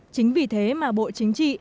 chính vì thế mà bộ chính trị